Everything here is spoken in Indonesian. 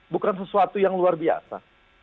bukan sesuatu yang luar biasa